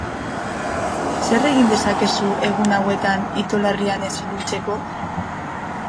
Zer egin dezakezu egun hauetan itolarrian ez ibiltzeko?